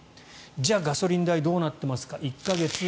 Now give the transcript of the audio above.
じゃあガソリン代どうなっていますか。